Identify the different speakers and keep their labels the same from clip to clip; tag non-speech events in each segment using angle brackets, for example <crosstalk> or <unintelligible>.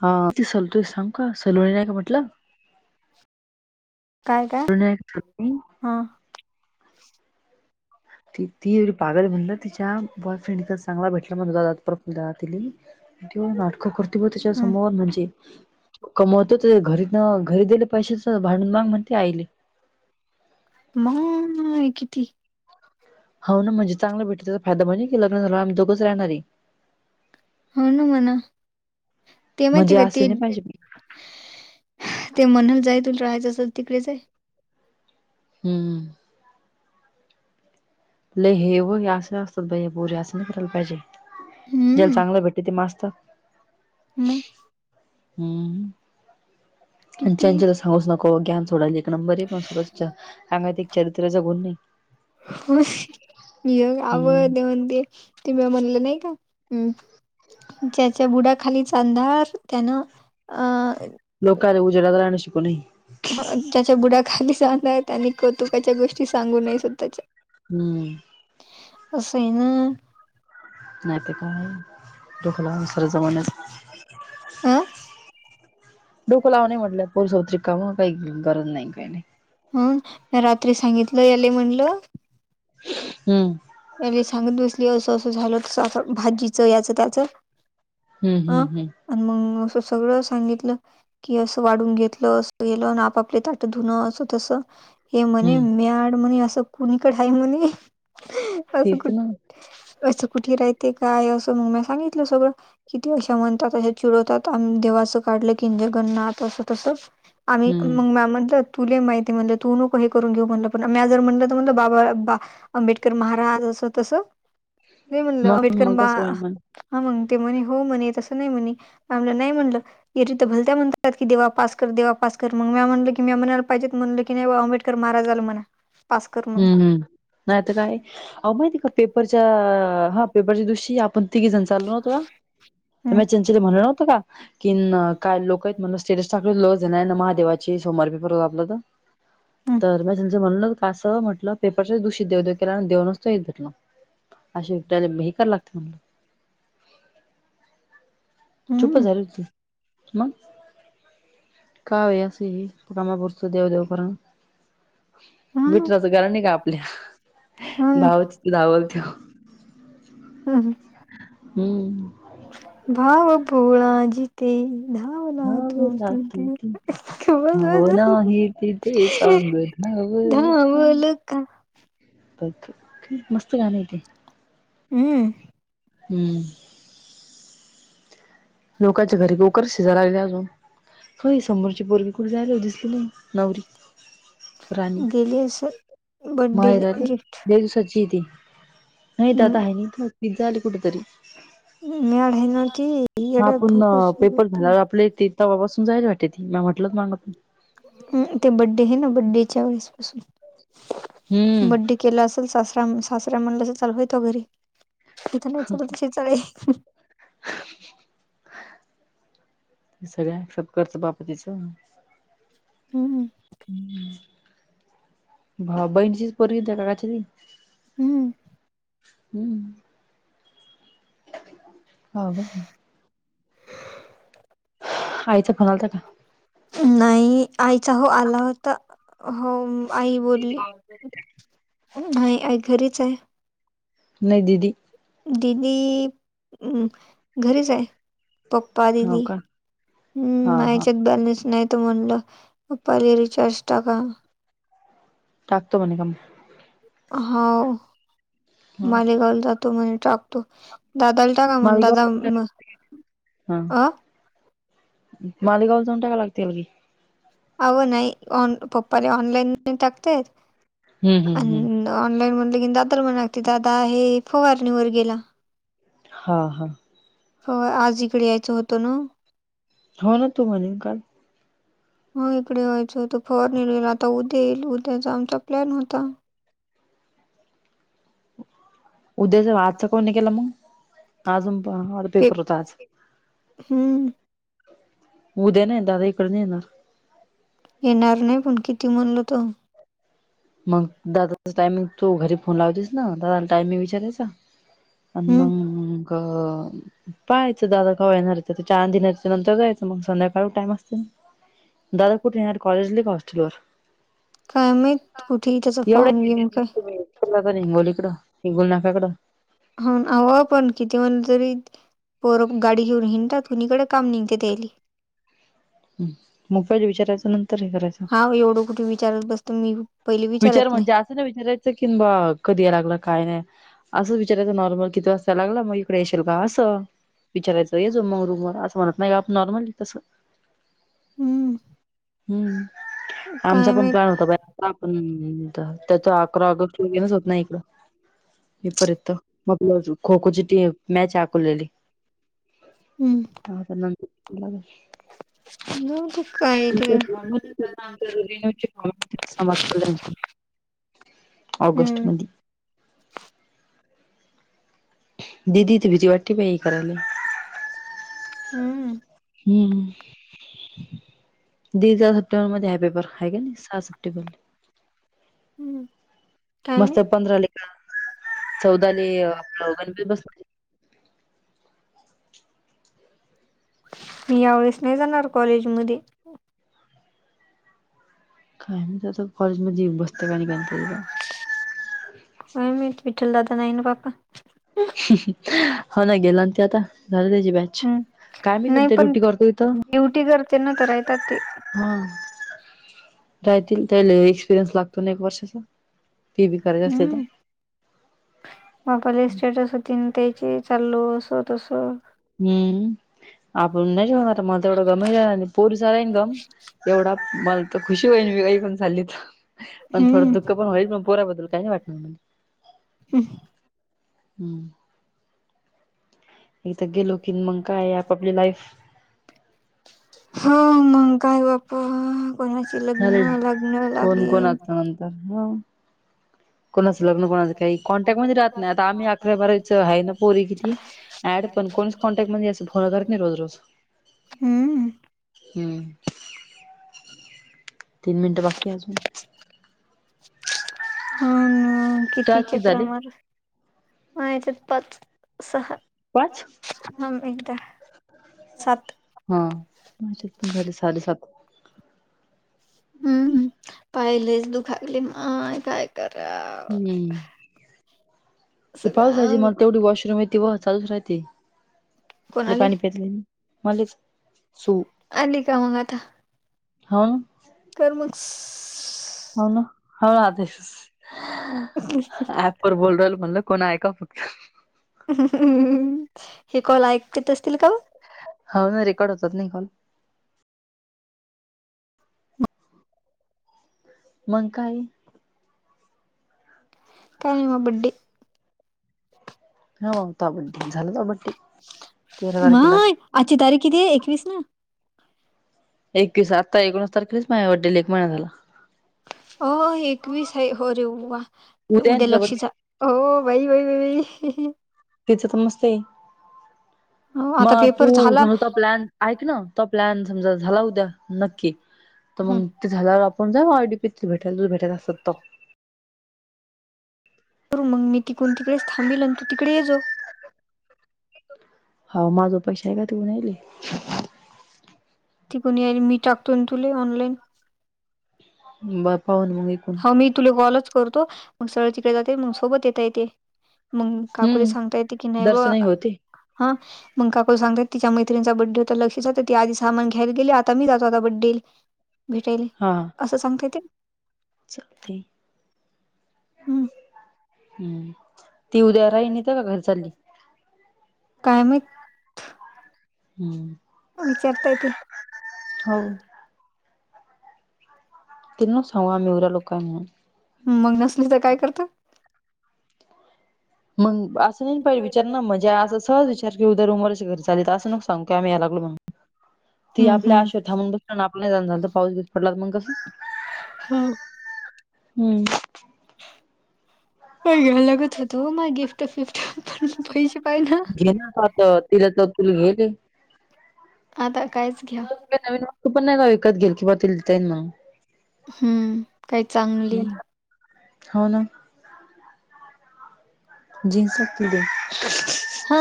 Speaker 1: हां ती सलतोय सांग कां सलवणी नाहीं कां म्हटलं
Speaker 2: कायं
Speaker 1: सलोणी
Speaker 2: कायं
Speaker 1: नाही का सलोणी
Speaker 2: हं
Speaker 1: ते ती एवढी पागलं म्हणलं तिच्यां बॉयफ्रेंड चांगला भेटला म्हणे दादा प्रफुल्ल दादा तिली त्यांत नाटकं करते व त्यांच्या
Speaker 2: हम्
Speaker 1: समोर म्हणजे कमवतो घरी नं घरी दिले पैशच भांडून मागं म्हणते आईले
Speaker 2: मं अं किती
Speaker 1: हो नां म्हणे चांगला भेट त्यांचा फायदां म्हणे की लग्नं झांला आं की आम्हीं दोघचं राहणार आहे
Speaker 2: हो नां म्हणां ते माहिती
Speaker 1: म्हणजे
Speaker 2: कां ते
Speaker 1: असे नाही पाहिजे
Speaker 2: ते म्हणांल जांय तुलां राहायचं असलं तिकडे चं आहे
Speaker 1: हम्मं ललेहे व असं असतं बंज पूे असं नि कले पाहिजे ज्यांला
Speaker 2: हम्म
Speaker 1: चांगलं भेटते ते माजतात
Speaker 2: मग
Speaker 1: हम्मं आणि
Speaker 2: किती
Speaker 1: चंचला सांगूच नको ज्या सोडांयले नंबर आहे पणं स्वतःचं अंगा एक चरित्र्याचा गुंण नाहीं
Speaker 2: हो मी मंग आवं
Speaker 1: हम्म
Speaker 2: ते म्हणते तेही म्हणलं नाहीं कां हम्मं ज्यांच्या बुडाखालीचांधार त्यांन
Speaker 1: लोकांला उजेडाला राहणं शिकूंन
Speaker 2: ज्यांच्या बुडां खाली अधारं आहे त्यांनी कौतुकाच्या गोष्टी सांगू नये स्वंतःच्या
Speaker 1: हम्मं हम्मं
Speaker 2: कसय ना
Speaker 1: नाहीत काय डोक लावल सऱ्या जमान्याच.
Speaker 2: अ
Speaker 1: डोक लावु नये म्हटल या पोरीसोबत रिकाम‌. काही गरज नाही न काही नाही.
Speaker 2: हं रात्री सांगितल. याले म्हणल
Speaker 1: हम्म
Speaker 2: याले सांगत बसली अस अस झाल. तस भाजीच याच त्याच.
Speaker 1: हम्म हम्म हम्म
Speaker 2: आणि मगं अस सगळ सांगितल. कि अस वाढून घेतल. अस केल. आणि आप आपले ताट धुण अस तस. हे म्हणे,
Speaker 1: हम्म
Speaker 2: म्याड म्हणे अस कुणीकड आहे म्हणे. अस
Speaker 1: तेच
Speaker 2: कुठ
Speaker 1: ना
Speaker 2: अस कुठे राहते काय? अस मग मी सांगितल सगळ. किती अशा म्हणतात अशा चिडवतात आन देवाच. काढल कि जगननाथ अस तस. आम्ही
Speaker 1: हम्म
Speaker 2: मग म्या म्हटल तुला माहिती म्हणल तू नको हे करून घेऊ म्हणल. पण म्या जर म्हटल तर म्हणल बाबा बा आंबेडकर महाराज कस तस, नाही म्हणल
Speaker 1: मग
Speaker 2: आंबेडकर
Speaker 1: मग
Speaker 2: मा
Speaker 1: कसं होईल मग
Speaker 2: हा मग ते म्हणे, हो म्हणे तस नाही म्हणे. आमला नाही म्हणल. एरवी तर भलत्या म्हणतात की देवा पास कर. देवा पास कर. मग म्या म्हटल की म्या म्हणा पाहिजेत म्हणल की नाही आंबेडकर महाराजला म्हणा. पास कर म्हणून‌‌
Speaker 1: हम्म हम्म नाही तर काय अहो माहिती आहे का? पेपरच्या हा पेपरच्या दिवशी आपण तिघे जण चाललो नव्हतो का
Speaker 2: हम्म
Speaker 1: म्या चंचली म्हणल नव्हत का. किन काय लोक आहेत म्हटल स्टेजेस टाकल होत लोहजण आहे ना महादेवाची सोमवारी पेपर होता आपल तर.
Speaker 2: हम्म
Speaker 1: तर म त्यांच म्हणल कास म्हटल पेपरच दिवशी देव देव केला तर देव नसतो येत म्हटल. असे त्याला हे कराय लागते म्हटल. चुप
Speaker 2: हम्म
Speaker 1: झाली होती. मग का हो अस हे. कामा पुरत देव देव कराव.
Speaker 2: हम्म
Speaker 1: विठ्ठलाच गाण नाही का आपल्या.
Speaker 2: हो ना
Speaker 1: भावच धावल तो.
Speaker 2: हम्म हम्म
Speaker 1: हम्म
Speaker 2: भाव भोळा जिथे धावला तो
Speaker 1: भावला तू
Speaker 2: तिथे.
Speaker 1: भावना हे तिथे सांग भावल
Speaker 2: धावल का?
Speaker 1: मस्त गाण आहे तेे.
Speaker 2: हम्म
Speaker 1: हम्म लोकांच्या घरी गोकर शिजलाय अजून. ओ ही समोरची पोरगी कुठे झायलय हो. दिसली नाही नवरी. राणी
Speaker 2: गेली असल
Speaker 1: माहेर
Speaker 2: बड्डेले
Speaker 1: आली
Speaker 2: गिफ्ट
Speaker 1: लय दिवसाची आहे ती नाही दादा आहे नाही इथ. तीच जायलय कुठेतरी.
Speaker 2: मॅड आहे ना ती.
Speaker 1: ह
Speaker 2: येड्या
Speaker 1: आपण पेपर
Speaker 2: भुकच
Speaker 1: झालावर आपले ते तव्हापासून जायल आहे वाटते ती. म्या म्हटलच मागत
Speaker 2: हम्म ते बड्डे आहे ना, बड्डेच्या वेळेस पासून. बड्डे
Speaker 1: हम्म
Speaker 2: केला अस सासरा सासरा म्हणला चल व्हय तु घरी. इथ नाही चालत अशी चाळे.
Speaker 1: सगळा हिशोब करत बाप तिच.
Speaker 2: हम्म
Speaker 1: हम्म भा बहिणीची पोरगी त्या काकाची ती.
Speaker 2: हम्मं
Speaker 1: हम्मं हं कणी आईचां फोन आलतां कां
Speaker 2: नाहीं आईचां हो आंला होतां हो आई बोलली आई आई घरीचं आहे
Speaker 1: नाहीं दिदी
Speaker 2: दिदी अं घरीच आहे पप्पां
Speaker 1: हो
Speaker 2: दिदी
Speaker 1: का
Speaker 2: हम्मं
Speaker 1: हा
Speaker 2: मां
Speaker 1: हा
Speaker 2: यांच्यात बॅलेन्स नाहीं तं म्हणलं पप्पां आले चेश टांकां
Speaker 1: टाकतो म्हणे कां
Speaker 2: होव
Speaker 1: मग
Speaker 2: मालेगांवला जातो म्हणजे टाकतो तो दादालां टांका म्हंण दादा
Speaker 1: मालेगाव
Speaker 2: मं अं
Speaker 1: मालेगांवला जाऊंन टां कायं लागतील म्हणे की
Speaker 2: अवं नाहीं ऑन पप्पां रं ऑनलाईन टाकताेत
Speaker 1: हम्म हम्म
Speaker 2: अं
Speaker 1: हम्म
Speaker 2: ऑनलाईन म्हणलं दादर म्हणांगते दादा हे फवारणीवरं गेलां
Speaker 1: हां हां
Speaker 2: आंज इकडे यायचं होतं नां
Speaker 1: हो नां तूं म्हणे कांल
Speaker 2: हं इकडे वयांचत फवारनीले आंता तेल उ त्यां यांच्या आमचा प्लॅन होतां
Speaker 1: उद्याचं वाचां आंज चां काऊणांही केलां मंग अजूंन पेपर होतां आंज
Speaker 2: हूंन
Speaker 1: उद्यां नाहीं दादा इकडं नाहीं येणारं
Speaker 2: येणारं नाहीं पणं किती म्हणलो तो
Speaker 1: मंग दादाचां टायमिंग तूं घरी फोन लावतेस नां दादाला टायमिंग विचारांच्या अनं
Speaker 2: हम्म
Speaker 1: मंग क पाहायचं दादा कांवा येणारंच ते द दिणांरच नंतर जायचं मंग संध्याकांळ टाईम असते नां मंग
Speaker 2: कायं माहित कुंठे त्यांचा फॉर्म घेऊंन कां तरं
Speaker 1: लागन करं हिंगोलीकडं हिंगुलीनाकयांकडं
Speaker 2: हो हं पणं किती जेवणं करुं पोरं गांडी घेऊन हिडतांत कुंणीकडे कामं नाहीं कां त्याईले
Speaker 1: मग पहिले विचारायचं नंतर हे करायचं
Speaker 2: हांव एवढं कुंठे विचारतं बसतं मी पहिले
Speaker 1: विचारलं
Speaker 2: विचारत नाही
Speaker 1: म्हणजे असं नां विचारायचं की बां कधीं यां लागलं कायं नाहीं असं विचारायचं नॉर्मल किती रस्ता लागंला मंग इकडे येशीलल कां असं विचारायचं येस मंग रुमर असं म्हणतं नाहीं कां आपणं नॉर्मल तसं
Speaker 2: हम्म
Speaker 1: हम्मं
Speaker 2: काय
Speaker 1: आमचां पणं
Speaker 2: माहित
Speaker 1: प्लॅन होतां बाई हम्मं त्यांचं अकरा ऑगस्ट रेनचं होतं नां इकडं हेपर्यंत मंग खो खोची टी मॅच आकवलेली
Speaker 2: हम्मं
Speaker 1: हं नंतर
Speaker 2: नज कायर <unintelligible>
Speaker 1: ऑगस्ट
Speaker 2: हम्म
Speaker 1: मध्यें दिदी तुं भिती वाटी पाई कराली
Speaker 2: हम्म
Speaker 1: हम्म. दी चा सप्टेबर मध्ये आहे पेपर. हाय काय सहा सप्टेबर.
Speaker 2: हम्म. काय
Speaker 1: मस्त
Speaker 2: नाही
Speaker 1: पंधरा ला ऐका चौदाले गणपती बस
Speaker 2: मी यावेेळेस नाही जाणार कॉलेज मध्ये,
Speaker 1: कायम त्या कॉलेज मध्ये बसतात आणि गणपतीला
Speaker 2: अ मी विठ्ठल दादा नाही ना पापा.
Speaker 1: हो ना. गेला ना तो आता झाली ना त्याची बॅच. काय माहित
Speaker 2: नाय
Speaker 1: ते
Speaker 2: पण
Speaker 1: ड्युटी करतो इथं
Speaker 2: ड्युटी करते ना. तर राहितात ते.
Speaker 1: हा. राहतील त्याला एक्सपिरियन्स लागतो ना एक वर्षाचा. ते बी करायचे असले तर
Speaker 2: हम्म. बापाले इस्टेटासाठी द्यायची. चाललो असं तसं.
Speaker 1: हम्म. आपण नाहीत बाबा एवढं कमवलं आणि पोरीचा इन्कम एवढा मला तर खुशी होईन. मी घेऊन चालली तर पण थोड
Speaker 2: हम्म
Speaker 1: दुःख पण होईल. पण पोरा बदल काय नाय वाटत. हम्म हम्म. इथ गेलो की, मंग काय आपापली लाईफ
Speaker 2: हो. मंग काय बापू कोणाचे लग्न लग्न लागेल.
Speaker 1: हा. कोणाचं लग्न, कोणाचं काही कॉन्टॅक्ट मध्ये राहत नाही. आता आम्ही अकरावी बारावीच आहे ना. पोरी किती ऍड पण कोणच कॉन्टॅक्ट मधी असलं फोन करत नाही रोज रोज.
Speaker 2: हम्म
Speaker 1: हम्म, तीन मिनटं बाकी हाय अजून.
Speaker 2: हो ना. किती
Speaker 1: चार
Speaker 2: चकरा
Speaker 1: झाले
Speaker 2: मारल्या. मग नाहीतर पाच सहा.
Speaker 1: पाच
Speaker 2: थांब एकदा सात
Speaker 1: हा. माझ्यात पण झाले साडे सात.
Speaker 2: हम्म हम. पाय लईच दुखाय लागले माय काय कराव.
Speaker 1: हम्म
Speaker 2: सगळा
Speaker 1: म्हणजे मग तेवढी वॉशरूम आहेत. तेव्हा चालूच राहते. कुठलं
Speaker 2: कोणाले
Speaker 1: पाणी प्यायच मले च
Speaker 2: आली का
Speaker 1: सूप.
Speaker 2: मग आता
Speaker 1: हा.
Speaker 2: कर मंग स् स् स्
Speaker 1: हो ना हो आते स् ॲप वर बोलून राहील म्हणलं कोण आहे का?
Speaker 2: हे कॉल ऐकत्यातचं
Speaker 1: हो ना. रेकॉर्ड होतात ना हे कॉल. मंग काय.
Speaker 2: काय नाय ओ बड्डे.
Speaker 1: हो. हुता बड्डे झाला का बड्डे. तेरा तारखेलाच
Speaker 2: माय‍ आजची तारीख किती एकवीस ना.
Speaker 1: एकतीस. आत्ता एकोणीस तारखेलाच माझ्या बड्डेला एक महिना झाला.
Speaker 2: हो. एकवीस हाय हो. अरे व्वा
Speaker 1: आहे ना
Speaker 2: उद्या
Speaker 1: तिचा बड्डे
Speaker 2: लक्षीचा. हो. बाई बाई बाई.
Speaker 1: त्याच्यातच मस्ती हाय.
Speaker 2: हो आता
Speaker 1: मग तू
Speaker 2: पेपर झाला
Speaker 1: न ता प्लॅन, ऐक ना तो प्लॅन समजा झाला उद्या नक्की तर
Speaker 2: हम्म.
Speaker 1: मग ते झाल्यावर आपण जाऊ आय डी पी त भेटायला, तूला भेटायचं असल तर.
Speaker 2: बर मग मी तिकडून तिकडेच थांबील अन तू तिकडे ये जो.
Speaker 1: हा माझा पैसा आहे का तु येऊ राहीले?
Speaker 2: तिकडून ये आणि मी टाकतो ना तुले ऑनलाईन.
Speaker 1: बर पा <unintelligible>
Speaker 2: हाव मी तुले कॉलच करतो. मग सरळ तिकडे जाते मग सोबत येता येते, मग काकुला
Speaker 1: हम्म
Speaker 2: सांगता येते की नाही ब
Speaker 1: दर्शनही होते
Speaker 2: हा. मग काकूला सांगता येते तिच्या मैत्रणीचा बड्डे होता, लक्षीचा तर ती आधी सामान घ्यायला गेली, आता मी जातो आता बड्डेल. भेटायले, असं सांगता येते.
Speaker 1: चालतंय,
Speaker 2: हम्म
Speaker 1: हम्म. ती उद्या राहिन इथं का घरी चालली?
Speaker 2: काय‌ माहित?
Speaker 1: हम्म.
Speaker 2: विचारताय ते
Speaker 1: हो. तिला नको सांगू आम्ही एवऱ्हे लोकं हाय म्हणून.
Speaker 2: मग नसली तर काय करतं?
Speaker 1: मग अस तिन पाय विचार ना म्हजे असं सहज विचार की, उद्या रुमवरचे घरी चाललेत, असं नको सांगू की आम्ही याय लागलो म्हणून. ती
Speaker 2: हम्म
Speaker 1: आपल्या
Speaker 2: हम्म
Speaker 1: अशोत थांबून बसता आन आपलं येणं नाय झालं, तर पाऊस बिऊस पडला मग कसं?
Speaker 2: हा
Speaker 1: हम्म.
Speaker 2: पण घ्यावं लागत होतं ओ मग गिफ्ट फिफ्ट, पण पैसे पायजे ना.
Speaker 1: घे तू आता तिला तर तु <unintelligible>
Speaker 2: आता कायच घ्या
Speaker 1: कुठलं नवीन वस्तू पण नाही ना विकत घेईल किंवा ते त्यांना.
Speaker 2: हम्म, काही चांगली
Speaker 1: हो ना. जीन्स आपली.
Speaker 2: हा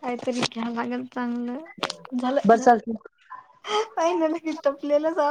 Speaker 2: काहीतरी घ्याव लागल चांगलं,
Speaker 1: बरं
Speaker 2: झालं
Speaker 1: चालतंय.
Speaker 2: फायनली गिफ्ट आपल्याला साप